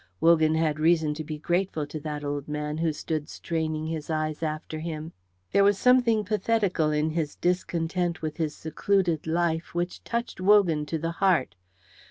Wogan had reason to be grateful to that old man who stood straining his eyes after him. There was something pathetical in his discontent with his secluded life which touched Wogan to the heart.